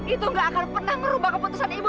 itu gak akan pernah merubah keputusan ibu